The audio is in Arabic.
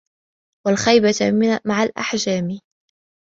وَالْخَيْبَةَ مَعَ الْإِحْجَامِ